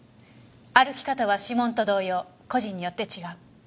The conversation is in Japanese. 歩き方は指紋と同様個人によって違う。